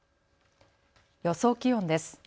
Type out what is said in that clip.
予想気温です。